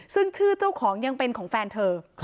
ซึ่งชื่อเจ้าของยังเป็นของแฟนเธอ